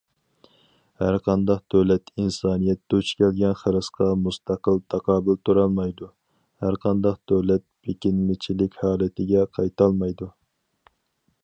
ھەرقانداق دۆلەت ئىنسانىيەت دۇچ كەلگەن خىرىسقا مۇستەقىل تاقابىل تۇرالمايدۇ، ھەرقانداق دۆلەت بېكىنمىچىلىك ھالىتىگە قايتالمايدۇ.